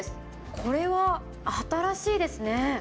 これは新しいですね。